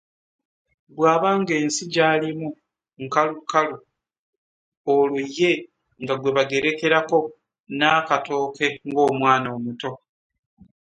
Bw’aba ng’ensi gy’alimu nkalukalu olwo ye nga gwe bagerekerako n’akatooke ng’omwana omuto.